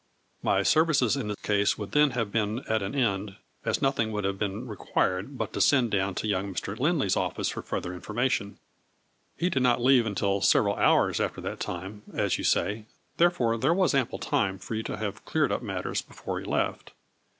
My services in the case would then have been at an end, as noth ing would have been required but to send down to young Mr. Lindley's office for further infor mation. He did not leave until several hours after that time, as you say, therefore there was ample time for you to have cleared up matters before he left.